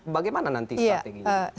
bagaimana nanti strategi